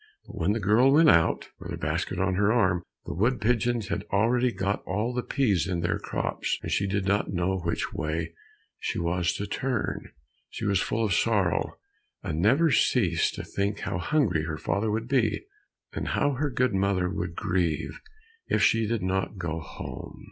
But when the girl went out with her basket on her arm, the wood pigeons had already got all the peas in their crops, and she did not know which way she was to turn. She was full of sorrow and never ceased to think how hungry her father would be, and how her good mother would grieve, if she did not go home.